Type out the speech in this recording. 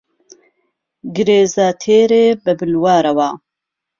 گرێزه تێرێ به بلوارهوه